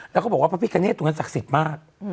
แล้วเขาบอกว่าแฟนบิ๊กเกเนดตรงเนอะศักดิ์สิทธิ์มาก